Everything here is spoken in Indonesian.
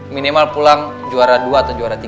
minimal pulang juara dua atau juara tiga